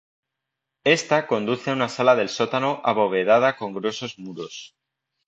Ésta conduce a una sala del sótano abovedada con gruesas muros.